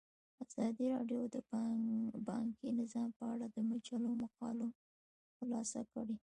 ازادي راډیو د بانکي نظام په اړه د مجلو مقالو خلاصه کړې.